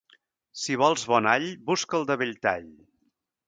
Si vols bon all, busca'l de Belltall.